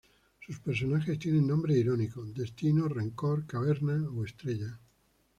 Sus personajes tienen nombres irónicos: Destino, Rencor, Caverna o Estrella.